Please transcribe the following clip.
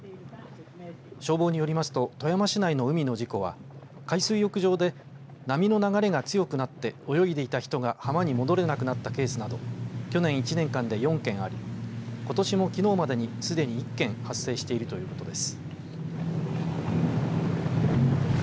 消防によりますと富山市内の海の事故は海水浴場で波の流れが強くなって泳いでいた人が浜に戻れなくなったケースなど去年一年間で４件ありことしもきのうまでにすでに１件発生しているということです。